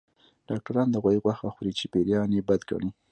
ډاکټران د غوايي غوښه خوري چې پيريان يې بد ګڼي